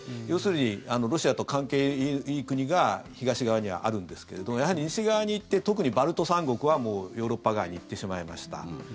要するに、ロシアと関係いい国が東側にはあるんですけれどやはり西側に行って特にバルト三国はもうヨーロッパ側に行ってしまいました。